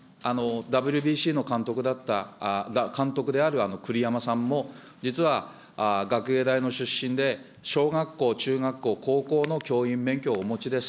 ＷＢＣの監督だった、監督である栗山さんも、実は学芸大の出身で、小学校、中学校、高校の教員免許をお持ちです。